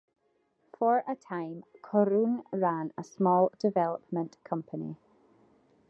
For a time, Corroon ran a small development company.